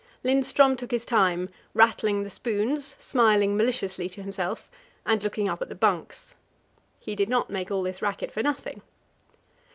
Lindström took his time, rattling the spoons, smiling maliciously to himself, and looking up at the bunks. He did not make all this racket for nothing.